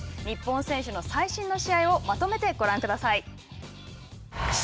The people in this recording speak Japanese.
日本選手の最新の試合をまとめてご覧ください。